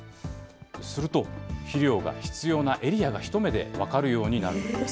すると、肥料が必要なエリアが一目で分かるようになるんです。